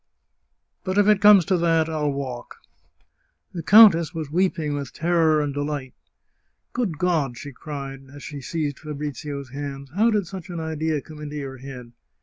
But if it comes to that, I'll walk !" The countess was weeping with terror and delight. " Good God !" she cried, as she seized Fabrizio's hands, " how did such an idea come into your head